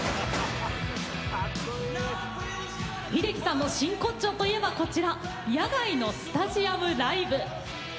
秀樹さんの真骨頂といえば野外のスタジアムライブ。